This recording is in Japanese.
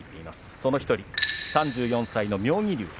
その１人、３４歳の妙義龍